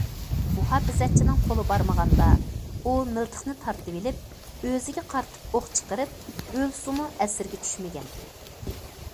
مۇھاپىزەتچىنىڭ قولى بارمىغاندا، ئۇ مىلتىقنى تارتىۋېلىپ، ئۆزىگە قارىتىپ ئوق چىقىرىپ، ئۆلسىمۇ ئەسىرگە چۈشمىگەن.